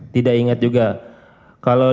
tidak ingat juga kalau